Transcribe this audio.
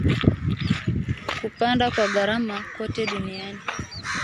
kupanda kwa gharama kote duniani